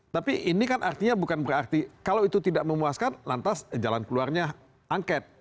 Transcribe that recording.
tapi ini kan artinya bukan berarti kalau itu tidak memuaskan lantas jalan keluarnya angket